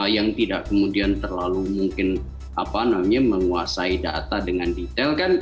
yang tidak kemudian terlalu mungkin menguasai data dengan detail kan